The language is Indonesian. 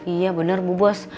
iya benar bu bos